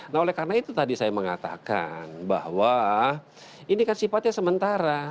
nah oleh karena itu tadi saya mengatakan bahwa ini kan sifatnya sementara